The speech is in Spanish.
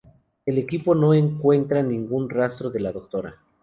El equipo no encuentra ningún rastro de la Dra.